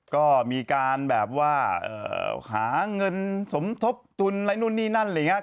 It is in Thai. ก็มีการแบบว่าหาเงินสมทบทุนอะไรนู่นนี่นั่นอะไรอย่างนี้